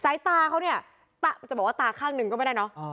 สายตาเขาเนี่ยจะบอกว่าตาข้างหนึ่งก็ไม่ได้เนอะ